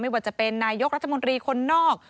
ว่าจะเป็นนายกรัฐมนตรีคนนอก